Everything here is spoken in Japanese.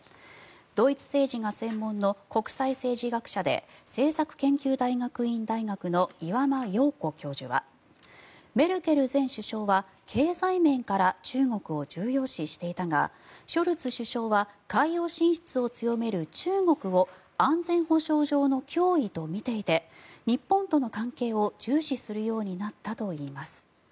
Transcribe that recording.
ドイツ政治が専門の国際政治学者で政策研究大学院大学の岩間陽子教授はメルケル前首相は、経済面から中国を重要視していたがショルツ首相は海洋進出を強める中国を安全保障上の脅威と見ていて日本との関係を重視するようになったといいます。